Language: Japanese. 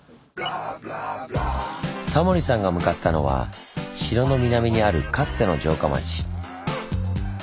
タモリさんが向かったのは城の南にあるかつての城下町。